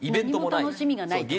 何も楽しみがないと。